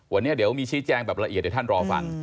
วันนี้เดี๋ยวมีชี้แจงแบบละเอียดเดี๋ยวท่านรอฟัง